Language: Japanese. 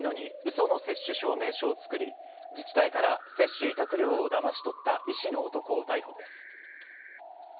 その接種証明書を作り、自治体から接種委託料をだまし取った医師の男を逮捕です。